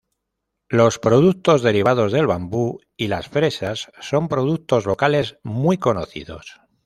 Los productos derivados del bambú y las fresas son productos locales muy conocidos.